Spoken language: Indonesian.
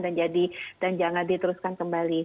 dan jangan diteruskan kembali